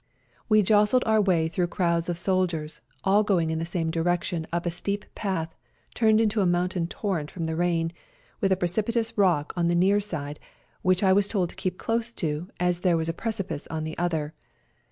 We jostled our way through crowds of soldiers, all going in the same direction up a steep path turned into a mountain torrent from the rain, with a precipitous rock on the near side, which I was told to keep close to, as there was a precipice on the other.